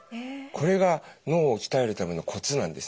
これが脳を鍛えるためのコツなんですね。